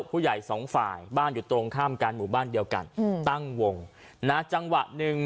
ผู้ใหญ่สองฝ่ายบ้านอยู่ตรงข้ามกันบ้านเดียวกันตั้งวงนะ